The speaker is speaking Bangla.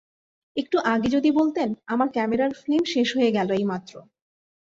একটু আগে যদি বলতেন! আমার ক্যামেরার ফিল্ম শেষ হয়ে গেল এইমাত্র!